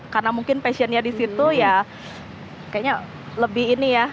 karena mungkin passionnya disitu ya kayaknya lebih ini ya